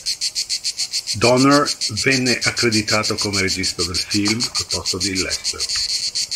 Donner venne accreditato come regista del film, al posto di Lester.